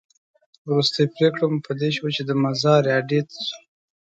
وروستۍ پرېکړه مو په دې شوه چې د مزار اډې ته ځو.